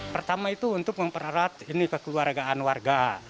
pertama itu untuk memperharapkan kekeluargaan warga